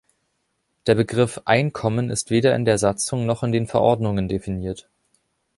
Der Begriff „Einkommen“ ist weder in der Satzung noch in den Verordnungen definiert.